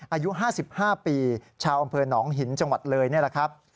อายุ๕๕ปีชาวอำเภอหนองหินจังหวัดเลยนี่แหละครับ